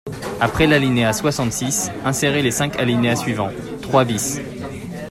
Après l’alinéa soixante-six, insérer les cinq alinéas suivants :« trois bis.